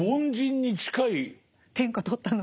天下取ったのに。